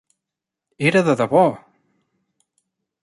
Era de debò!